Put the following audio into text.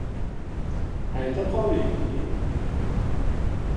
— Ayta qoli-i-ing.